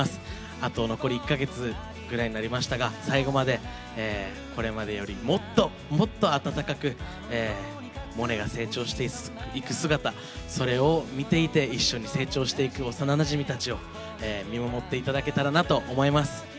あと残り１か月ぐらいになりましたが最後までこれまでよりもっともっと温かくモネが成長していく姿それを見ていて一緒に成長していく幼なじみたちを見守っていただけたらなと思います。